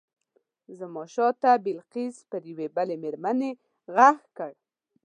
زما شاته بلقیس پر یوې بلې مېرمنې غږ کړ.